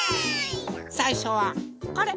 さいしょはこれ。